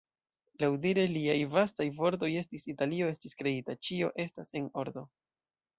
Laŭdire liaj lastaj vortoj estis "Italio estis kreita, ĉio estas en ordo.